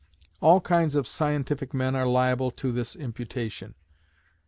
All kinds of scientific men are liable to this imputation, and M.